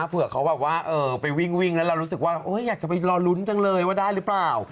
เผื่อเขาแบบว่าไปวิ่งแล้วเรารู้สึกว่าเราอยากจะไปรอลุ้นจังเลยว่าได้หรือเปล่า